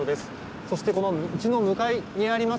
そして、道の向かいにあります